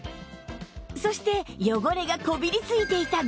そして汚れがこびりついていたゴミ受けも